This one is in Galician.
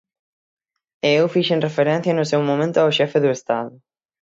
E eu fixen referencia no seu momento ao xefe do Estado.